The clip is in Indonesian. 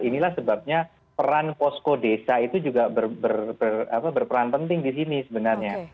inilah sebabnya peran posko desa itu juga berperan penting di sini sebenarnya